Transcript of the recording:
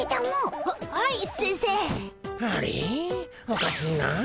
おかしいなあ。